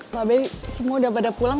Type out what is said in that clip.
mbak be semua udah pada pulang